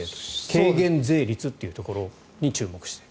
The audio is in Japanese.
軽減税率というところに注目して。